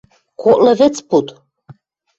Коклы вӹц пуд!